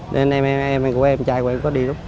nên em em em của em trai của em có đi rút